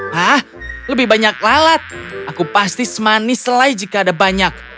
hah lebih banyak lalat aku pasti semanis selai jika ada banyak